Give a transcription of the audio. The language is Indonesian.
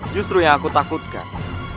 justru yang aku takutkan